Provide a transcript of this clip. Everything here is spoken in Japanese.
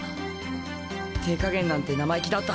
手加減なんて生意気だった。